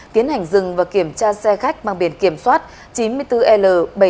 tiến hành dừng và kiểm tra xe khách bằng biển kiểm soát chín mươi bốn l bảy nghìn tám trăm tám mươi sáu